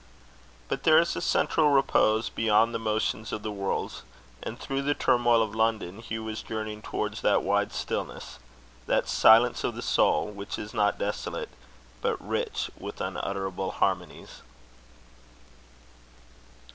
But there is a central repose beyond the motions of the world; and through the turmoil of London, Hugh was journeying towards that wide stillness that silence of the soul, which is not desolate, but rich with unutterable harmonies.